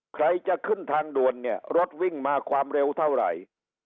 ใครจะขึ้นทางด่วนเนี่ยรถวิ่งมาความเร็วเท่าไหร่